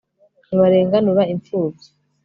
ntibarenganura imfubyi